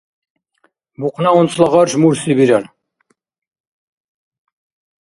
Бухъна унцла гъарш мурхьси бирар.